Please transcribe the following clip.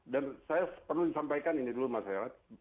dan saya perlu disampaikan ini dulu mas herat